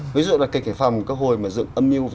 ví dụ là cái phòng hồi mà dựng âm nhạc